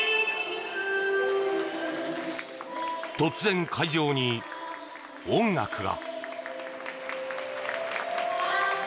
突然、会場に音楽が。